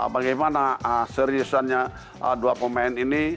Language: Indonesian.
bagaimana seriusannya dua pemain ini